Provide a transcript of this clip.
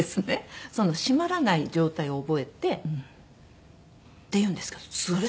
閉まらない状態を覚えてっていうんですけどそれ